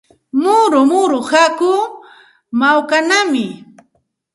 Mullu mullu hakuu makwanaami.